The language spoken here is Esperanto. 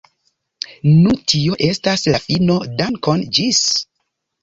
Nu tio estas la fino, dankon ĝis.